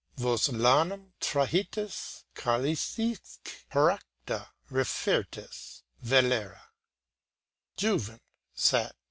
Vos lanam trahitis, calathisque peracta refertis Vellera." Juven. Sat.